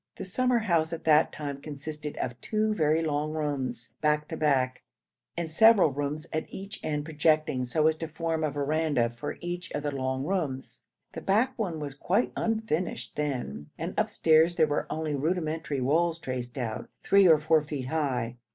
The summer house at that time consisted of two very long rooms back to back, and several rooms at each end projecting so as to form a verandah for each of the long rooms. The back one was quite unfinished then, and upstairs there were only rudimentary walls traced out, three or four feet high.